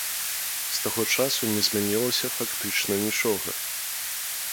З таго часу не змянілася фактычна нічога.